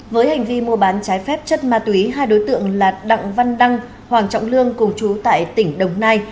với hành vi mua bán trái phép chất ma túy hai đối tượng là đặng văn đăng hoàng trọng lương cùng chú tại tỉnh đồng nai